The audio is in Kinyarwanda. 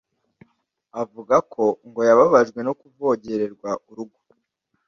avuga ko ngo yababajwe no kuvogererwa urugo